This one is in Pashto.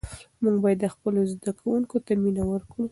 موږ باید خپلو زده کوونکو ته مینه ورکړو.